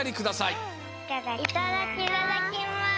いただきます。